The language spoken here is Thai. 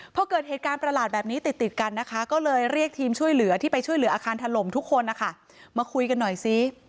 พอเกิดเหตุการณ์ประหลาดแบบนี้ติดติดกันนะคะก็เลยเรียกทีมช่วยเหลือที่ไปช่วยเหลืออาคารถล่มทุกคนนะคะมาคุยกันหน่อยซิ